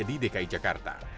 di dki jakarta